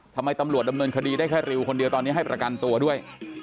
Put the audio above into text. ทำไมตำรวจดำเนินคดีได้แค่ริวคนเดียวตอนนี้ให้ประกันตัวด้วย